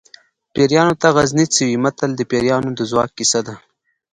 پیریانو ته غزني څه وي متل د پیریانو د ځواک کیسه ده